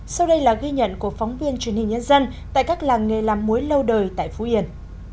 sau đây là ghi nhận của phóng viên truyền hình nhân dân tại các làng nghề làm muối lâu đời tại phú yên